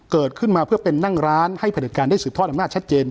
เกิดขึ้นมาเพื่อเป็นนั่งร้านให้ผลิตการได้สืบทอดอำนาจชัดเจน